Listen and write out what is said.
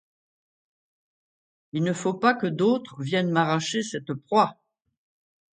Il ne faut pas que d’autres viennent m’arracher cette proie !